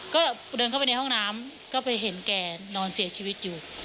ก็เดินเข้าไปในห้องน้ำก็ไปเห็นแกนอนเสียชีวิตอยู่